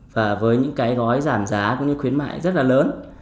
và với những cái gói giảm giá cũng như khuyến mại rất là lớn